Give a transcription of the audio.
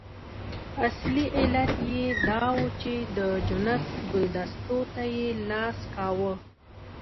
اصلي علت یې دا وو چې د جنت ګلدستو ته یې لاس کاوه.